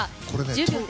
１０秒で。